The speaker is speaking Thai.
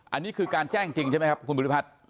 อันนี้คือการแจ้งจริงใช่ไหมครับคุณบุริพัฒน์